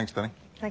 はい。